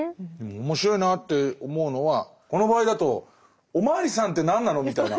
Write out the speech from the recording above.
面白いなって思うのはこの場合だとおまわりさんって何なのみたいな。